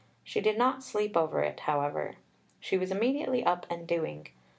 She did not sleep over it, however. She was immediately up and doing.